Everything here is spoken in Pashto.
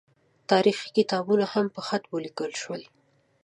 تاریخي کتابونه هم په خط ولیکل شول.